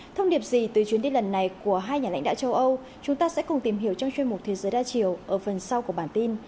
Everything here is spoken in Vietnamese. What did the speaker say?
thông điệp gì từ chuyến đi lần này của hai nhà lãnh đạo châu âu chúng ta sẽ cùng tìm hiểu trong chuyên mục thế giới đa chiều ở phần sau của bản tin